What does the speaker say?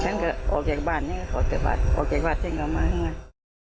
ฉันก็ออกจากบ้านนี้ก็ขอเติบวัดออกจากบ้านฉันก็ทุกวัน